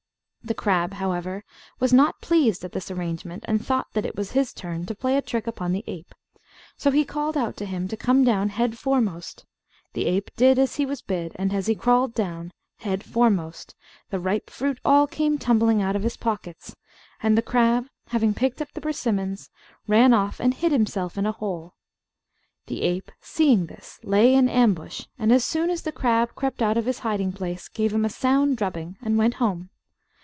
The crab, however, was not pleased at this arrangement, and thought that it was his turn to play a trick upon the ape; so he called out to him to come down head foremost. The ape did as he was bid; and as he crawled down, head foremost, the ripe fruit all came tumbling out of his pockets, and the crab, having picked up the persimmons, ran off and hid himself in a hole. The ape, seeing this, lay in ambush, and as soon as the crab crept out of his hiding place gave him a sound drubbing, and went home.